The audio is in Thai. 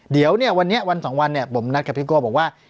เดี๋ยวเนี่ยวันนี้วันสองวันเนี่ยผมนัดกับพี่โก้บอกว่า